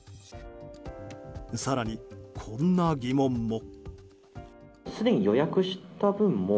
更に、こんな疑問も。